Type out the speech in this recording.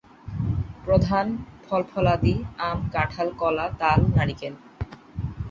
প্রধান ফল-ফলাদি আম, কাঁঠাল, কলা, তাল, নারিকেল।